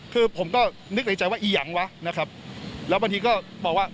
คือผมก็นึกในใจว่าอียังวะแล้วก็บอกว่า